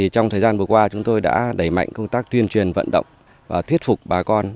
trong thời gian vừa qua chúng tôi đã đẩy mạnh công tác tuyên truyền vận động và thuyết phục bà con